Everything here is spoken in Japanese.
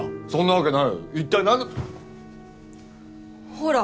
ほら！